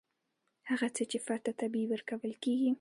هغه څه چې فرد ته طبیعي ورکول کیږي.